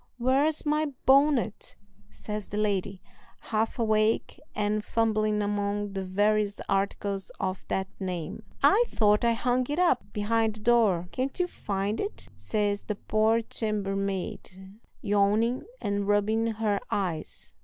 "Where's my bonnet?" says the lady, half awake and fumbling among the various articles of that name. "I thought I hung it up behind the door." "Can't you find it?" says the poor chambermaid, yawning and rubbing her eyes.